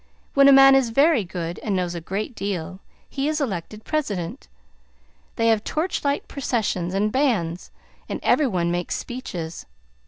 "When a man is very good and knows a great deal, he is elected president. They have torch light processions and bands, and everybody makes speeches.